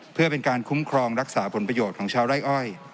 เพื่อเป็นการคุ้มครองรักษาผลประโยชน์ของชาวไร่อ้อย